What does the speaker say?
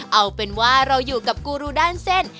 เอาเป็นว่าเราอยู่กับกูรูด้านเส้น